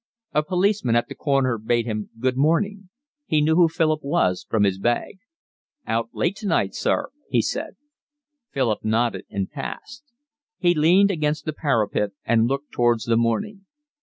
A policeman at the corner bade him good morning. He knew who Philip was from his bag. "Out late tonight, sir," he said. Philip nodded and passed. He leaned against the parapet and looked towards the morning.